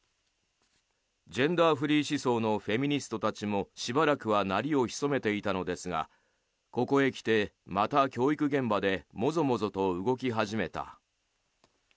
ジェンダーフリー思想のフェミニストたちもしばらくは鳴りを潜めていたのですがここへきて、また教育現場でモゾモゾと動き始めた。